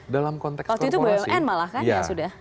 dalam konteks korporasi